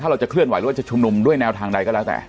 เราจะเคลื่อนไหวหรือว่าจะชุมนุมด้วยแนวทางใดก็แล้วแต่